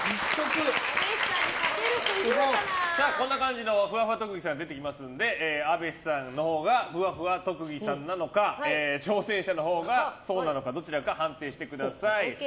こんな感じでふわふわ特技さんが出てきますのでＡｂｅｓｈｉさんのほうがふわふわ特技さんなのか挑戦者のほうがそうなのかどちらか判定してください。